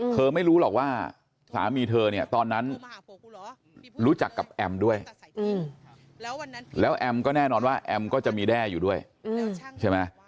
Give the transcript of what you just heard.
ไม่รู้หรอกว่าสามีเธอเนี่ยตอนนั้นรู้จักกับแอมด้วยแล้วแอมก็แน่นอนว่าแอมก็จะมีแด้อยู่ด้วยใช่ไหม